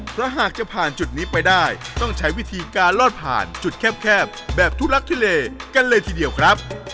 เพราะหากจะผ่านจุดนี้ไปได้ต้องใช้วิธีการลอดผ่านจุดแคบแบบทุลักทุเลกันเลยทีเดียวครับ